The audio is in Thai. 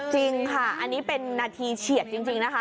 จริงค่ะอันนี้เป็นนาทีเฉียดจริงนะคะ